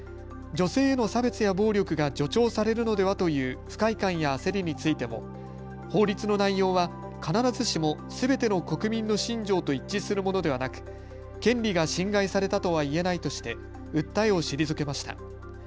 女性への差別や暴力が助長されるのではという不快感や焦りについても法律の内容は必ずしもすべての国民の信条と一致するものではなく権利が侵害されたとはいえないとして訴えを退けました。